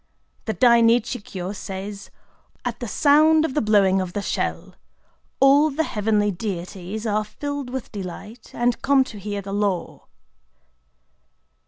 The Dai Nichi Kyō says:—" At the sound of the blowing of the shell, all the heavenly deities are filled with delight, and come to hear the Law."